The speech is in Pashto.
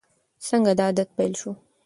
څنګه دا عادت پیل شو؟